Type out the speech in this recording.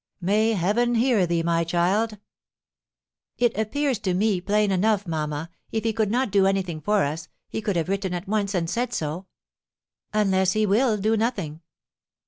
"May Heaven hear thee, my child!" "It appears to me plain enough, mamma, if he could not do anything for us, he could have written at once, and said so." "Unless he will do nothing."